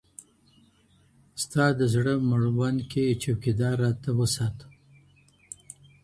ستا د زړه مړوند كي چــوكـــيـــــدار راته وسـاتـه